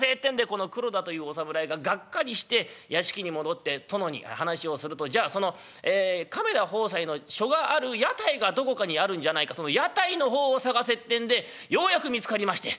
この黒田というお侍ががっかりして屋敷に戻って殿に話をするとじゃあその亀田鵬斎の書がある屋台がどこかにあるんじゃないかその屋台のほうを探せってんでようやく見つかりまして。